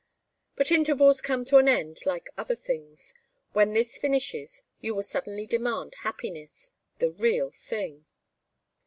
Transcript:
But intervals come to an end like other things. When this finishes you will suddenly demand happiness the real thing."